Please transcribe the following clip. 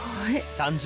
誕生！